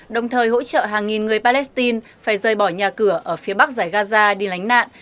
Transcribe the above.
đồng thời hỗ trợ hàng nghìn người palestine phải rời bỏ nhà cửa ở phía bắc giải gaza đi lánh nạn